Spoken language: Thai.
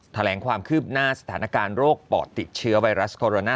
แถลงความคืบหน้าสถานการณ์โรคปอดติดเชื้อไวรัสโคโรนา